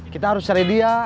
kita harus cari dia